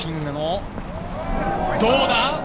どうだ？